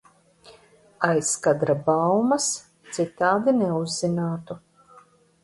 Aizkadra baumas citādi neuzzinātu.